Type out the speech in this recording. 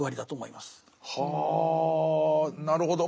はあなるほど。